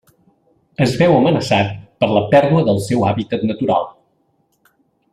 Es veu amenaçat per la pèrdua del seu hàbitat natural.